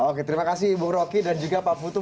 oke terima kasih ibu rocky dan juga pak futu